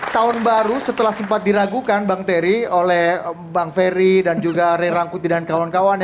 tahun baru setelah sempat diragukan bang ferry dan juga rey rangkuti dan kawan kawan